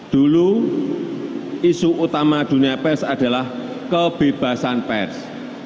dulu isu utama dunia pers adalah kebebasan pers